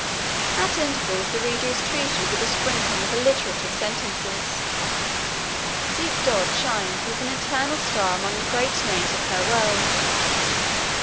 At intervals the reader is treated with a sprinkling of alliterative sentences. Ziek dod shines as an eternal star among the great names of her world.